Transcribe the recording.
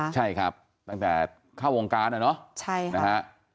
ใช่ครับตั้งแต่เข้าวงการอะเนาะนะฮะ